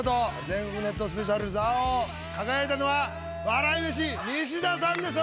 全国ネットＳＰ座王輝いたのは笑い飯西田さんです。